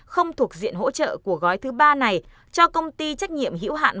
không thuộc diện hỗ trợ của gói thứ ba này cho công ty trách nhiệm hữu hạn